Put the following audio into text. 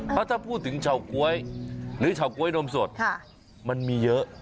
เพราะถ้าพูดถึงเฉาก๊วยหรือเฉาก๊วยนมสดมันมีเยอะ